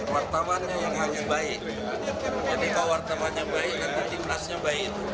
wartawannya yang harus baik jadi kalau wartawannya baik nanti timnasnya baik